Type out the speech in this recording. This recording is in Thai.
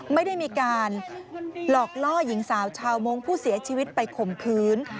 ไม่ได้มีการหลอกล่อหญิงสาวชาวมงค์ผู้เสียชีวิตไปข่มขืน